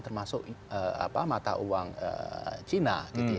termasuk mata uang china